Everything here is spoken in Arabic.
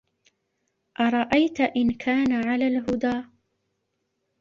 أَرَأَيتَ إِن كانَ عَلَى الهُدى